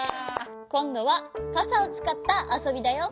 こんどはかさをつかったあそびだよ。